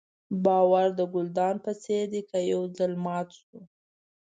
باور د ګلدان په څېر دی که یو ځل مات شو.